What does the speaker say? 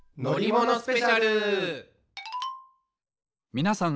みなさん